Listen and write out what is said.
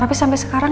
tapi sampai sekarang